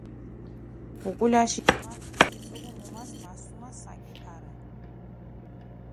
უკულაში ჯიმაქ გეგიწუღუ მუმას მასუმა საკი ფარა.